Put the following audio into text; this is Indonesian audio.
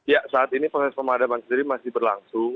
ya saat ini proses pemadaman sendiri masih berlangsung